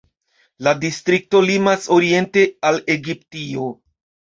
La distrikto limas oriente al Egiptio.